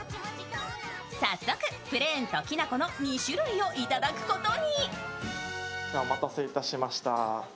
早速、プレーンときなこの２種類をいただくことに。